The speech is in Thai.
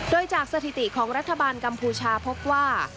โดยจากสถิติของรัฐบาลกัมพูชาพบว่า